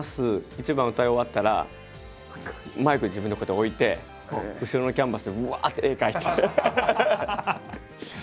１番歌い終わったらマイク自分でこうやって置いて後ろのキャンバスでうわって絵描いて。